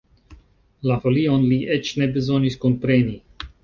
La folion li eĉ ne bezonis kunpreni!